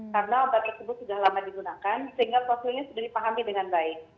karena obat tersebut sudah lama digunakan sehingga profilnya sudah dipahami dengan baik